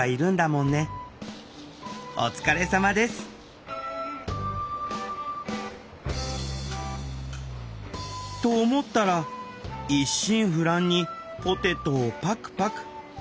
お疲れさまです！と思ったら一心不乱にポテトをパクパク。